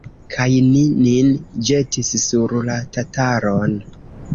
Kaj ni nin ĵetis sur la tataron.